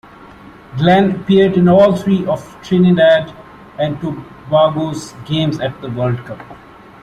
Glen appeared in all three of Trinidad and Tobago's games at the World Cup.